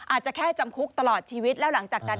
อาจจะแค่จำคุกตลอดชีวิตแล้วหลังจากนั้น